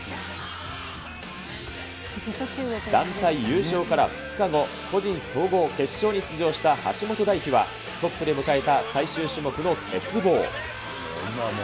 団体優勝から２日後、個人総合決勝に出場した橋本大輝は、トップで迎えた最終種目の鉄棒。